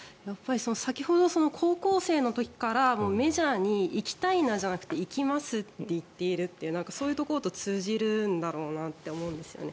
先ほど高校生の時からメジャーに行きたいなじゃなくて行きますって言っているってそういうところと通じるんだろうなって思うんですよね。